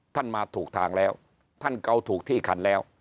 ท่านมาถูกทางแล้วท่านเกาถูกที่คันแล้ว